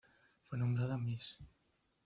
Fue nombrada Mrs.